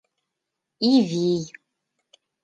Ивий